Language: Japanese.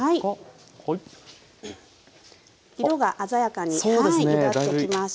色が鮮やかにゆだってきました。